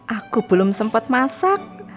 aku belum sempat masak